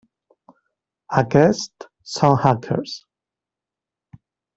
Aquest són hackers.